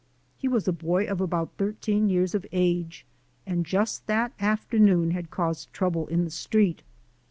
He was a boy of about thirteen years of age and just that afternoon had caused trouble in the street.